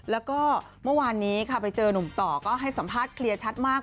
แล้วก็เมื่อวานนี้ค่ะไปเจอนุ่มต่อก็ให้สัมภาษณ์เคลียร์ชัดมาก